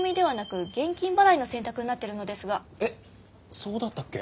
そうだったっけ？